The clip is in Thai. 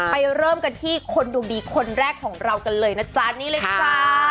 เริ่มกันที่คนดวงดีคนแรกของเรากันเลยนะจ๊ะนี่เลยจ้า